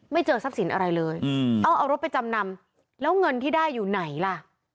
เจอทรัพย์สินอะไรเลยเอาเอารถไปจำนำแล้วเงินที่ได้อยู่ไหนล่ะ